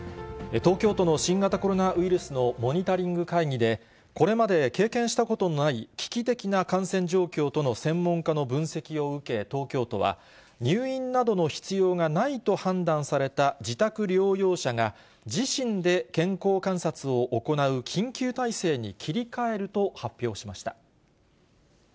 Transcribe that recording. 東京都の新型コロナウイルスのモニタリング会議で、これまで経験したことのない危機的な感染状況との専門家の分析を受け、東京都は、入院などの必要がないと判断された自宅療養者が、自身で健康観察を行う緊急体制に切り替えると発表しました。